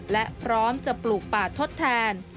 และพร้อมจะปลูกป่าทดแทน